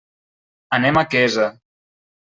Anem a Quesa.